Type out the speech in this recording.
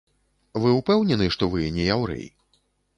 Вы ўпэўнены, што вы не яўрэй?